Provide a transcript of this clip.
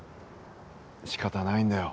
仕方ないんだよ